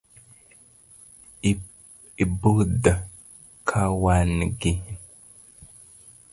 Ibuth kalwangni